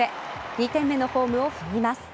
２点目のホームを踏みます。